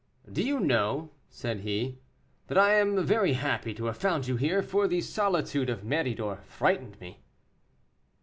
"Do you know," said he, "that I am very happy to have found you here, for the solitude of Méridor frightened me."